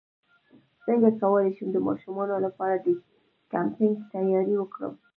څنګه کولی شم د ماشومانو لپاره د کیمپینګ تیاری وکړم